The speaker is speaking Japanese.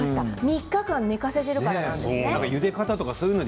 ３日間寝かせているからだったんですね。